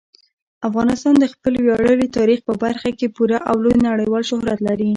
افغانستان د خپل ویاړلي تاریخ په برخه کې پوره او لوی نړیوال شهرت لري.